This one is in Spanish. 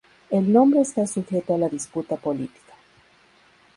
El nombre está sujeto a la disputa política.